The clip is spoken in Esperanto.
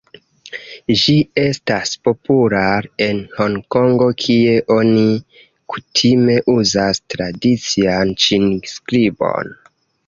Ĝi estas populara en Honkongo kie oni kutime uzas tradician ĉin-skribon.